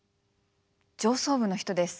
上層部の人です。